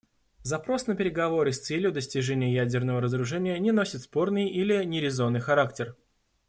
Запрос на переговоры с целью достижения ядерного разоружения не носит спорный или нерезонный характер.